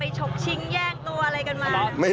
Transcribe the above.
ไปโฉกชิงแยกตัวอะไรกันไว้